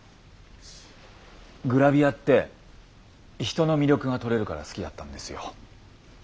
グラビアって人の魅力が撮れるから好きだったんですよ。